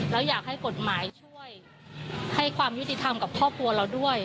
แล้วอยากให้กฎหมายช่วยให้ความยุติธรรมกับครอบครัวเราด้วย